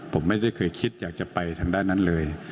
ผมไม่ได้เคยคิดอยากจะไปทางด้านนั้นเลย